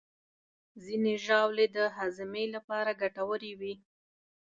ځینې ژاولې د هاضمې لپاره ګټورې وي.